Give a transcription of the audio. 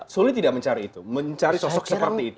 sulit tidak mencari itu mencari sosok seperti itu